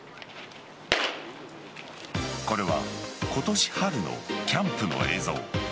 これは今年春のキャンプの映像。